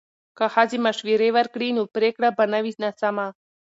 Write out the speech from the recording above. که ښځې مشورې ورکړي نو پریکړه به نه وي ناسمه.